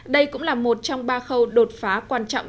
đây cũng là một trong ba khâu đột phá quan trọng